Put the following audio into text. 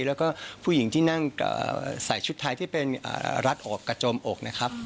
แล้วก็ผู้หญิงที่นั่งใส่ชุดไทยที่เป็นรัดอกกระโจมอกนะครับ